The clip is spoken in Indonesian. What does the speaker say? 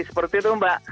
seperti itu mbak